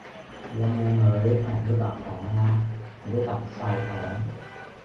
佢咁靚女，係人都嗒糖喇，我都嗒晒糖